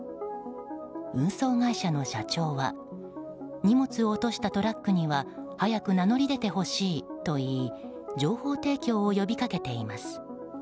運送会社の社長は荷物を落としたトラックには早く名乗り出てほしいといい情報提供を呼びかけています。